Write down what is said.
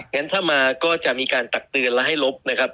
งั้นถ้ามาก็จะมีการตักเตือนและให้ลบนะครับ